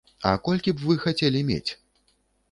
А колькі вы б хацелі мець?